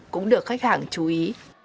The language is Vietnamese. cũng được khách hàng chú ý